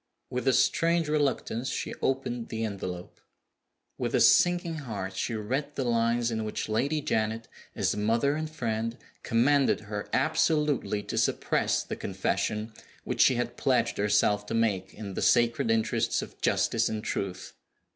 With a strange reluctance she opened the envelope. With a sinking heart she read the lines in which Lady Janet, as "mother and friend," commanded her absolutely to suppress the confession which she had pledged herself to make in the sacred interests of justice and truth.